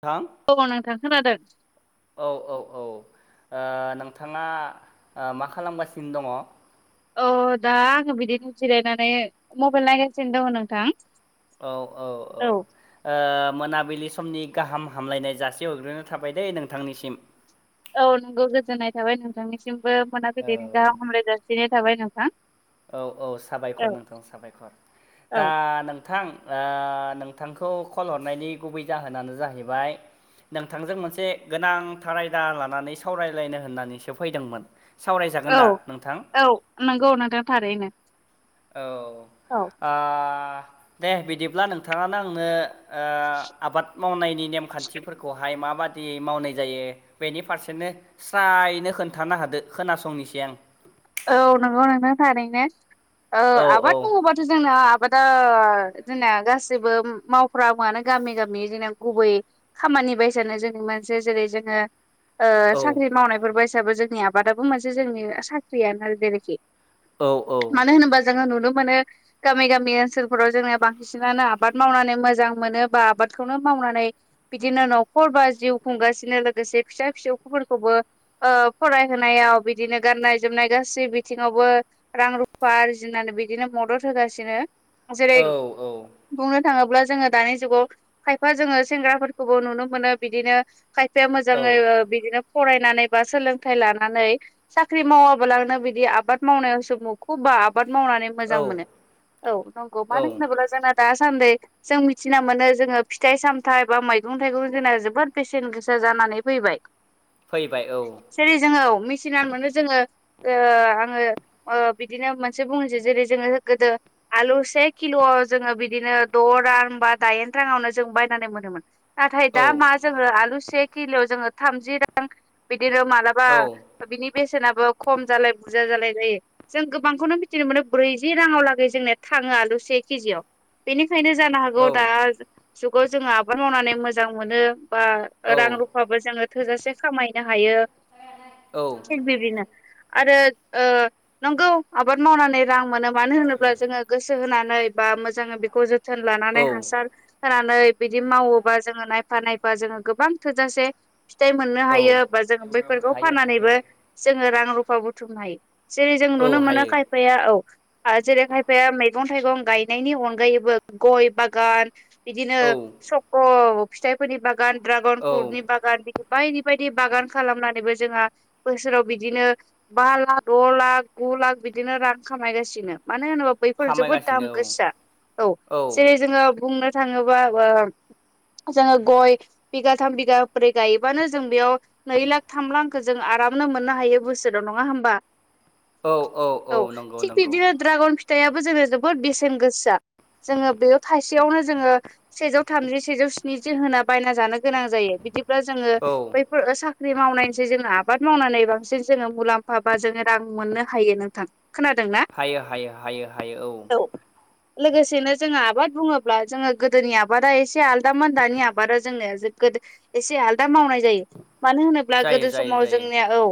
थां अबाव नथां खोनादों। औ औ औ। ओ नोंथाङा मा खालामगासिनो दङ? अ दा आङो बिदिनो जिरायनानै मबायल नायगासिनो दङ' नोंथां। औ औ औ। मोनाबिलि समनि गाहाम हामलायनाय जासे हरग्रोनो थाबाय दै नोंथांनिसिम। औ नोंगौ गोजोननाय थाबाय नोंथांनिसिमबो मोना औ फैदेरनि गाह हामलाय जासिनाय थाबाय नोंथां। औ औ साबायखर औ नोंथां साबायखर। दा औ नोंथ थां दा नोंथांखौ कल हरनायनि गुबै जाहोनानो जाहैबाय नोंथांजों मोनसे गोनांथार आयदा लानानै सावरायलायनो होननानैसो फैदोंमोन। सावरायजागोन औ दा नोंथां औ नंगौ नोंथां थारैनो। औ। औ। आ दे बिदिब्ला नोंथाङानो आंनो ओ आबाद मावनायनि नेमखान्थिफोरखौहाय माबादि खथि मावनाय जायो बेनि फारसेनो स्रायनो खोन्थानो होदो खोनासंनिसै आं। औ नंगौ नोंथां थारैनो औ आबाद बुंयोबाथ' जोंना आबादा जोंना गासैबो मावफ्रायोयानो मगामि गामि जोंना गुबै खामानि बायसानो जोंनि मोनसे जेरै जोङो औ साख्रि मावनायफोरबो हिसाबै जोंनि आबादाबो मोनसे जोंनि साख्रियानो जेरखि औ औ। मानो होनोबा जोङो नुनो मोनो गामि गामि ओनसोलफोराव जोंना बांसिनानो आबाद मावनानै मोजां मोनो बा आबादखौनो मावनानै बिदिनो नखर बा जिउ खुंगासिनो लोगोसे फिसा फिसौफोरखौबो ओ फरायहोनायाव बिदिनो गाननाय जोबनाय गासै बिथिङावबो रां रुफा आरजिनानै बिदिनो मदद होगासिनो। जेरै औ बुंनो थाङोब्ला जोङो दानि जुगाव खायफा जोङो सेंग्राफोरखौबो नुनो मोनो बिदिनो खायफाया औ मोजाङै बिदिनो फरायनानै बा सोलोंथाइ लानानै साख्रि मावाब ब्लानो बिदि आबाद मावनायावसो मखुबबा आबाद मावनानै औ मोजां मोनो। औ नंगौ औ मानो होनोब्ला जोंना दासान्दै जों मिथिना मोनो जोङो फिथाय सामथाय बा मैगं थायगं जोंना जोबोद बेसेन गोसा जानानै फैबाय। फैबाय औ। सेरि जोङो मेसिनार मोनो जोङो आङो बिदिनो मोनसे बुंनोसै जेरै जोङो गोदो आलु से किल'आव जोङो बिदिनो द रां बा दायेन राङावनो जों बायनानै मोनोमोन। नाथाय औ दा मा जोङो आलु से खिल'आव जोङो थामजि रां बिदिनो मालाबा औ बिनि बेसेनाबो खम जालाय बुरजा जालाय जायो। जों गोबांखौनो मिथिनो मोनो ब्रैजि राङाव लागै जोंनिया थाङो आलु से केजियाव। बेनिखायनो जानो हागौ औ दा जुगाव जोङो आबाद मावनानै मोजां मोनो। बा औ रां रुफाबो जोङो थोजासे खामायनो हायो। औ। थि बिदिनो आरो नंगौ आबाद मावनानै रां मोनो मानो होनोब्ला जोङो गोसो होनानै बा मोजाङै बेखौ जोथोन लानानै हासार होनानै बिदि मावोबा जोङो नायफा नायफा जोङो गोबां थोजासे फिथाय मोननो औ हायो बा जों बैफोरखौ हायो हायो फाननानैबो जोङो रां रुफा बुथुमनो हायो। जेरै जों औ नुनो मोनो हायो खायफाया औ। जेरै खायफाया मैगं थायगं गायनायनि अनगायैबो गय बागान। बिदिनो औ सक' फिथायफोरनि बागान ड्रागन औ फ्रुटनि बाग गान बिदि बायदि बायदि बागान खालामनानैबो जोंहा बोसोराव बिदिनो बा ला द लाख गु लाख बिदिनो रां खामायगासिनो मानो होनोबा बैफोर जोबोद दाम खामायगासिनो गोसासा। औ जेरै जोङो बुंनो थाङोबा जोङो गय बिगाथाम बिगाब्रै गायबानो जों बेयाव नै लाख थाम लाखखो जों आरामनो मोननो हाग हायो बोसोराव नङा होनोमबा? औ औ औ नंगौ नंगौ। बिब्दिनो ड्रागन फिथाइाबो जोङो जोबोद बेसेन गोसासा। जोङो बेयाव थाइसेयावनो जोङो सेजौ थामजि सेजौ स्निजि होना बायना जानो गोनां जायो। बिदिब्ला जोङो औ बैफोर साख्रि मावनायनिसै जोङो आबाद मावनानै बांसिन जोङो मुलाम्फा बा जोङो रां मोननो हायो नोंथां। खोनादों ना? हायो हायो हायो हायो औ। लोगोसेनो जोङो आबाद बुङोब्ला जोङो गोदोनि आबादा एसे आलदा मोन दानि आबादा जोंनो गोदो एसे आलदा मावनाय जायो। मानो होनोब्ला जायो गोदो जायो समाव जायो जोंनिया औ।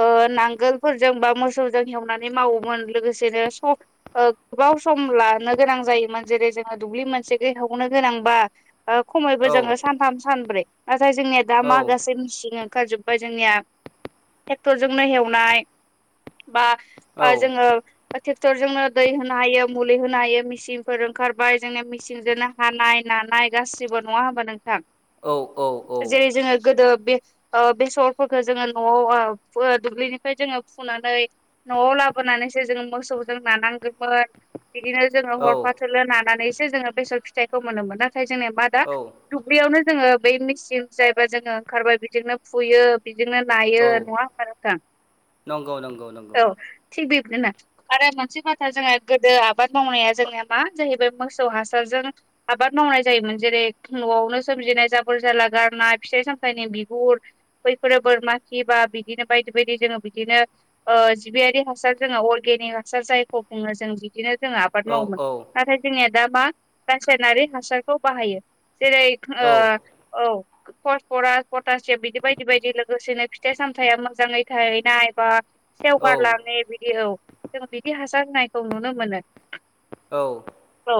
ओ नांगोलफोरजों बा मोसौजों हेवनानै मावोमोन। लोगोसेनो स ओ गोबाव सम लानो गोनां जायोमोन जेरै जोङो दुब्लि मोनसे दै हब'नो गोनां बा ओ खमैबो औ जोङो सानथाम सानब्रै नाथाय जोंनिया दा औ मागासे मिसिं ओंखारजोबबाय जोंनिया। टेक्टरजोंनो हेवनाय बा औ ओ जोङो ट्रेक्टर जोंनो दै होनो हायो मुलि होनो हायो मेसिनफोर ओंखारबाय जोंनिया मिसिनजोंनो हानाय नानाय गासिबो नङा होमबा नोंथां। औ जेरै जोङो गोदो बे ओ बेसरफोरखौ जोङो न'आव ओ ओ दुब्लिनिफ्राय जोङो फुनानै न'आव लाबोनानैसो जोंङो मोसौजों नानांगौमोन। बिदिनो जोङो औ हरफाथोलो नानानैसो जोङो बेसर फिथायखौ मोनोमोन। नाथाय जोंनिया मा दा औ दुब्लियावनो जोङो बै मेचिन जायबा जोङो ओंखारबाय बिदिनो फुयो। बेजोंनो नायो औ नङा होम्बा नोंथां। नंगौ नंगौ नंगौ औ थिग बेबदि नो आरो मोनसे बाथ्रा जोंना गोदो आबाद मावनाया जोंनिया मा जाहैबाय मोसौ हासारजों आबाद मावनाय जायोमोन। जेरै न'आवनो सोमजिनाय जाबोर जाला गारनाय फिथाइ सामथाइनि बिगुर खैफोरो बोरमाखि बा बिदिनो बायदि बायदि जोङो बिदिनो ओ जिबियारि हासार जोङो अर्गेनिक हासार जायखौ बुङो जों बिदिनो जोंहा आबाद औ मावोमोन। औ नाथाय जोंनिया दा मा रासायनारि हासारखौ बाहायो। जेरै ओ औ फसफरास, पटासियाम बिदि बायदि बायदि लोगोसेनो फिथाइ साम फिथाया मोजाङै थाहैनाय बा औ सेवगारलाङो बिदि औ। जों बिदि हासार होनायखौ नुनो मोनो। औ। औ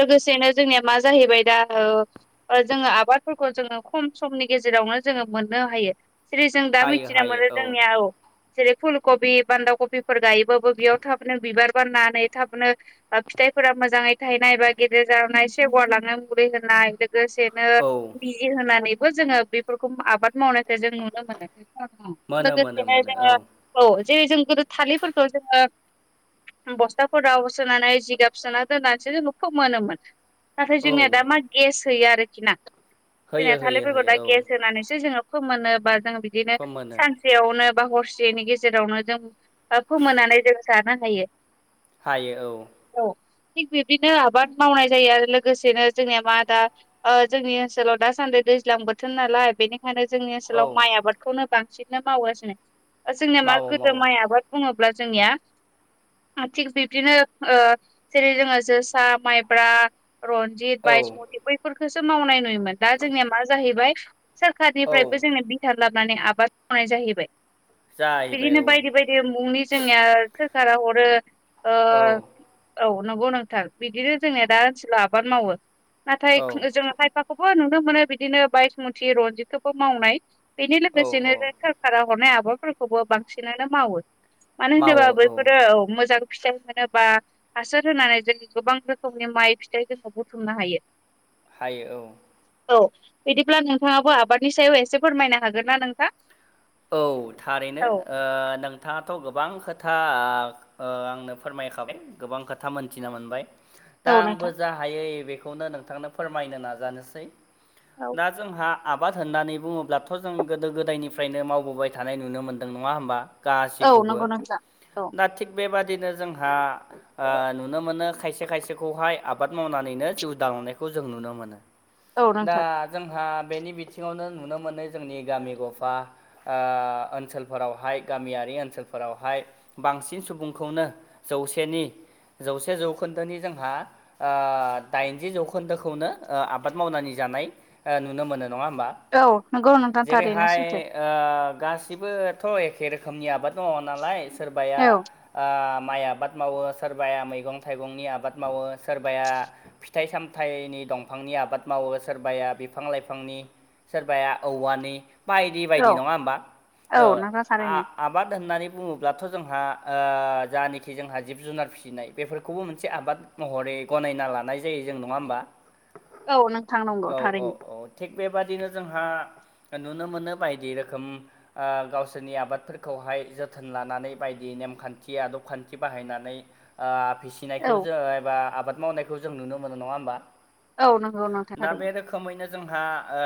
लोगोसेनो जोंनिया मा जाहैबाय दा ओ जोङो आबादफोरखौ जोङो खम समनि गेजेरावनो जोङो मोननो हायो जेरै जों दा हायो मिथिना हायो मोनो जोंनिया औ जेरै फुलकबि बान्दा खबिफोर गायोबाबो बेयाव थाबनो बिबार बारनानै थाबनो बा फिथाइफोरा मोजाङै थायनाय बा गेदेर जानाय सेवगार लांनो मुरै होनाय लोग गोसेनो औ बि होनानैबो जोङो बेफोरखौ आबाद मावनायखौ जों नुनो मोनो। मोनो मोनो लोगोसेनो मोनो औ जोङो औ जेरै जों गोदो थालिरफोरखौ जोङो बस्थाफोराव सोनानै जिगाब सोना दोननासो जेनबा फोमोनोमोन। नाथाय जोंनिया औ दा मा गेस होयो आरोखि ना होयो जोंनिया होयो थालिरफोरखौ होयो दा औ गेस होनानैसो जोङो खौ मोनोबा जों बिदिनो फोमोनो। हरसेयावनो बा हरसेनि गेजेरावनो जों फोमोनानै जों जानो हायो। फायो औ। औ थिग बिब्दिनो आबाद मावनाय जायो आरो लोगोसेनो जोंनिया मा दा ओ जोंनि ओनसोलाव दासान्दि दैज्लां बोथोर नालाय बेनि जोंनि औ ओनसोलाव माइ आबादखौनो बांसिननो मावगासिनो। ओ जोंनिया मा मावो गोदो मावो माइ आबाद बुङोब्ला जोंनिया थिग बिब्दिनो ओ जेरै जोङो जोसा, माइब्रा रनजित औ बायसमति बैफोरखौसो मावनाय नुयोमोन। दा जोंनिया मा जाहैबाय औ सोरखारनिफ्रायबो जोंनो बिथार लाबोनानै आबाद मावनाय जाहैबाय जाहैबाय बिदिनो औ बायदि बायदि जे मुंनि जोंनिया सोरखारा हरो औ ओ औ नंगौ नोंथार बिदिनो जोंनिया दा ओनसोलाव आबाद मावो नाथाय औ जोङो खायफा खौबो नुनो मोनो बिदिनो बायस मुत्रि रनजितखौबो मावनाय। बेनि औ लोगोसेनो औ सरखारा हरनाय आबादफोरखौबो बांसिनानो मावो। मानो होनोबा बैफोरो औ मोजां फिथाइ मोनो बा हासार होनानै जों गोबां रोखोमनि माइ फिथाइ जोङो बुथुमनो हायो। हायो औ। औ बिदिब्ला नोंथाङाबो आबादनि सायाव एसे फोरमायनो हागोन ना नोंथां? औ थारैनो औ ओ नोंथाङाथ' गोबां खोथा ओ आंनो फोरमायखाबाय गोबां खोथा मोनथिना मोनबाय। दा औ आंबो नोंथां जा हायै ए बेखौनो नोंथांनो फोरमायनो नाजानोसै। दा जोंहा आबाद होननानै बुंङोब्लाथ' जों गोदो गोदायनिफ्रायनो माव वबोबाय थानाय नुनो मोन्दों नंङा होमबा? औ गासैखौबो नंगौ नोंथां औ दा थिग बेबादिनो जोंहा नुनो ओ मोनो खायसे खायसेखौहाय आबाद मावनानैनो जिउ दालांनायखौ जों नुनो मोनो औ दा नोंथां जोंहा बेनि बिथिंङावनो नुनो मोनो जोंनि गामि गफा ओ ओनसोलफोरावहाय गामियारि ओनसोलफोरावहाय बांसिन सुबुंखौनो जौसेनि जौसे जौखोन्दोनि जोंहा ओ दाइनजि जौखोन्दोखौनो ओ आबाद मावनानै जानाय ओ नुनो मोनो नंङा होमबा? औ नंगौ नोंथां थारैनो जेरैहाय सैथो। ओ गासिबोथ' एखे रोखोमनि आबाद दंङ नालाय सोरबाया औ ओ माइ आबाद मावो सोरबाया मैगं थाइगंनि आबाद मावो सोरबाया फिथाइ सामथाइनि दंफांनि आबाद मावो सोरबाया बिफां लाइफांनि सोरबाया औवानि बायदि औ बायदि नंङा होमबा? ओ औ नोंथां आ थारैनो आबाद होननानै बुंङोब्लाथ' जोंहा ओ जा निखि जोंहा जिब जुनार फिसिनाय बेफोरखौबो मोनसे आबाद महरै गनायना लानाय जायो जों नंङा होमबा? औ नोंथां नंगौ औ औ थारैनो औ थिग बेबादिनो जोंहा नुनो मोनो बायदि रोखोम ओ गावसोरनि आबादफोरखौहाय जोथोन लानानै बायदि नेमखान्थि आदब खान्थि बाहायनानै ओ फिसिनायखौ औ जों एबा आबाद मावनायखौ जों नुनो मोनो नंङा होमबा? औ नंगौ नोंथा थारै खौमैनो जोंहा ओ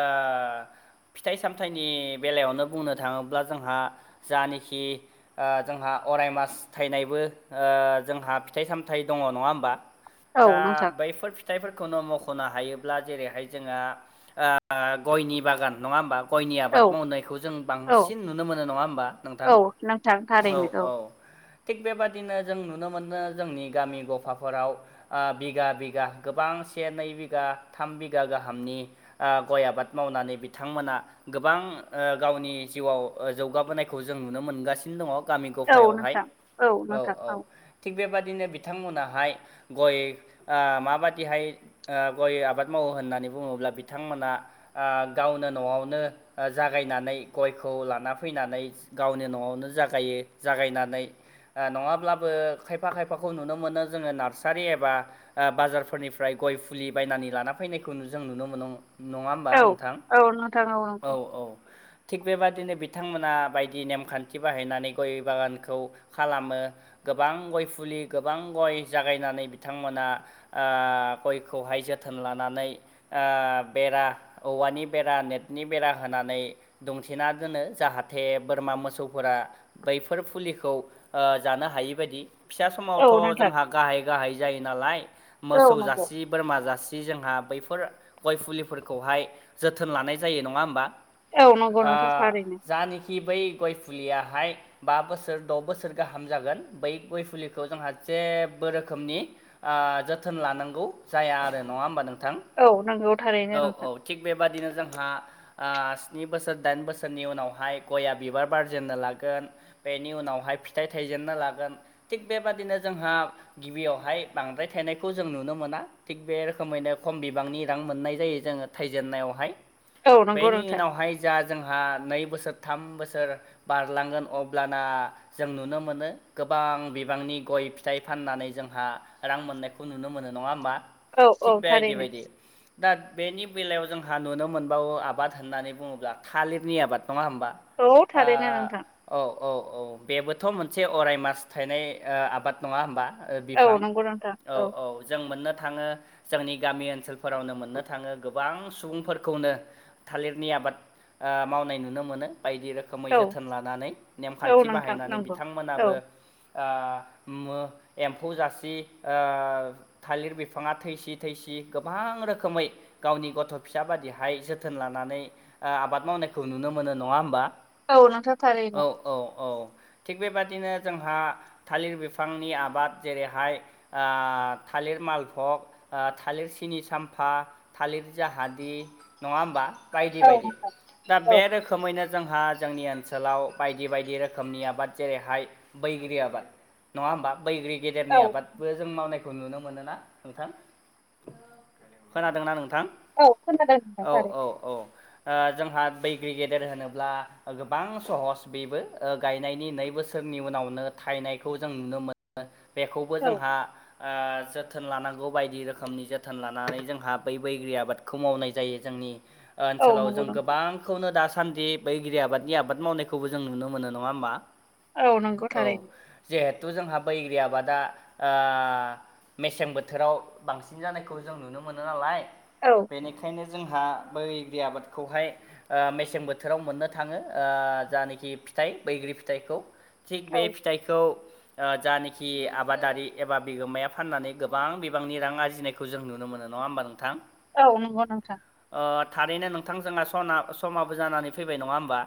फिथाइ सामथाइ नि बेलायावनो बुंनो थांङोब्ला जोंहा जानाखि ओ जोंहा अराय मास थाइनायबो ओ जोंहा फिथाइ सामथाइ दंङ नंङा होमबा? औ दा नोंथां बैफोर फि फिथाइफोरखौनो मख'नो हायोब्ला जेरैहाय जोंङा गयनि बागान नंङा होमबा? गयनि औ आबाद मावनायखौ जों औ बांसिन नुनो मोनो नंङा होमबा नोंथां? थां थारैनो औ थिग बे बादिनो जों नुनो मोनो जोंनि गामि गफाफोराव ओ बिघा-बिघा गोबां से नै बिघा थाम बिघा गाहामनि ओ गय आबाद मावनानै बिथांमोना गोबां ओ गावनि जिउआव ओ जौगाबोनायखौ जों नुनो मोनगासिनो दंङ। गामि औ गफायावहाय नोंथां औ नोंथां औ थिग बेबादिनो बिथांमोनाहाय गय ओ माबादिहाय ओ गय आबाद मावो होननानै बुंङोब्ला बिथांमोना ओ गावनो न'आवनो ओ जागायनानै गयखौ लाना फैनानै गावनि न'आवनो जागायो जागायनानै ओ नंङाब्लाबो खायफा खायफाखौ नुनो मोनो जोंङो नार्सारि एबा ओ बाजारफोरनिफ्राय गय फुलि बायनानै लाना फैनायखौ जों नुनो मोन' नंङा होमबा औ नोंथां? औ नोथां औ औ औ थिग बेबायदिनो बिथांमोना बायदि नेमखान्थि बाहायनानै गय बागानखौ खालामो। गोबां गय फुलि गोबां गय जागायनानै बिथांमोना आह गयखौहाय जोथोन लानानै ओ बेरा औवानि बेरा नेथ नि बेरा होनानै दंथेना दोनो जाहाथे बोरमा मोसौफोरा बैफोर फुलिखौ ओ जानो हायिबादि फिसा औ समावथ' नोंथां जोंहा गाहाय गाहाय जायो नालाय? औ मोसौ नंगौ जासि बोरमा जासि जोंहा बैफोर गय फुलिफोरखौहाय जोथोन लानाय जायो नंङा होमबा? औ नंगौ ओ नोंथां थारैनो जानिखि बै गय फुलियाहाय बा बोसोर द' बोसोर गाहाम जागोन बै गय फुलिखौ जोंहा जेबो रोखोमनि ओ जोथोन लानांगौ जाया आरो नङा होमबा नोंथां? औ नोंगौ थारैनो औ औ नोंथां। थिग बेबादिनो जों जोंहा ओ स्नि बोसोर, दाइन बोसोरनि उनावहाय गया बिबार बारजेननो लागोन। बेनि उनावहाय फिथाइ थायजेननो लागोन थिग बेबादिनो जोंहा गिबियावहाय बांद्राय थायनायखौ जों नुनो मोना थिग बे रोखोमैनो खम बिबांनि रां मोननाय जायो जोङो थायजेननायाव हाय। औ नंगौ बेनि नोंथां उनावहाय जा जोंहा नै बोसोर, थाम बोसोर बारलांगोन अब्लाना जों नुनो मोनो गोबां बिबांनि गय फिथाइ फाननानै जोंहा रां मोननाय नुनो मोनो नङा होमबा? औ औ थिग बे आयदि थारैनो बायदि, दा बेनि बेलायाव जोंहा नुनो मोन बाव आबाद होननानै बुङोब्ला थालिरनि आबाद। नङा होमबा? औ थारैनो नोंथां औ औ औ बेबोथ' मोनसे अराय मास थायनाय आबाद। नङा होमबा? औ बिफां नंगौ नोंथां औ औ। जों मोननो थाङो जोंनि गामि ओनसोलफोरावनो मोननो थाङो गोबां सुबुंफोरखौनो थालिरनि आबाद ओ मावनाय नुनो मोनो बायदि रो खोमै औ जोथोन लानानै औ नेमखान्थि नोंथां बाहायनानै नंगौ औ बिथांमोनाबो ओ मो एम्फौ जासि ओ थालिर बिफाङा थैसि थैसि गोबां रोखोमै गावनि गथ' फिसा बादिहाय जो थोन लानानै ओ आबाद मावनायखौ नुनो मोनो। नङा होमबा? औ नोंथां औ थारनो। औ औ थिग बेबाददिनो जोंहा थालिर बिफांनि आबाद जेरैहाय ओ थालिर मालभग, ओ थालिर सिनि साम्फा, थालिर जाहादि। नङा होमबा बायदि औ बायदि? नोंथां दा बे औ रोखोमैनो जोंहा जोंनि ओनसोलाव बायदि बायदि रोखोमनि आबाद जेरैहाय बैग्रि आबाद, नङा होमबा? बैग्रि गेदेरनि औ आबाद बो जों मावनायखौ नुनो मोनोना नोंथां। खोनादोंना नोंथां? औ खोनादों। औ नोंथां औ थारैनो औ ओ जोंहा बैग्रि गेदेर होनोब्ला गोबां सहस बेबो ओ गायनायनि नै बोसो‌ रनि उनावनो थायनायखौ जों नुनो मोनो बेखौबो जोंहा ओ जोथोन लानांगौ बायदि रोखोमनि जोथोन लानानै जोंहा बै बैग्रि आबादखौ मावनाय जायो। जोंनि औ ओनसोलाव नंगौ जों नोंथां गोबां खौनो दासान्दि बैग्रि आबादनि आबाद मावनायखौबो जों नुनो मोनो, नङा होमबा? औ नंगौ औ थारैनो जिहेथु जोंहा बैग्रि आबादा ओ मेसें बोथोराव बांसिन जानायखौ जों नुनो मोनो नालाय औ बेनिखायनो जोंहा बैग्रि आबादखौहाय ओ मेसें बोथोराव मोननो थाङो ओ जानाखि फिथाइ बैग्रि फिथाइखौ। थिग बे औ फिथाइखौ ओ जानेखि आबादारि एबा बिगोमाया फाननानै गोबां बिबांनि रां आरजिनाय खौ जों नुनो मोनो, नङाहोमबा नोंथां? औ नंगौ नोंथां। ओ थारैनो नोंथां जोंहा सना समाबो जानानै फैबाय नङा होमबा?